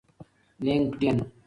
لینکډین